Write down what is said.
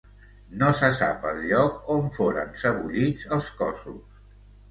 No se sap el lloc on foren sebollits els cossos.